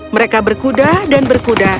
mereka berkuda dan berkuda